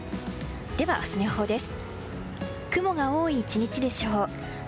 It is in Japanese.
では、明日の予報です。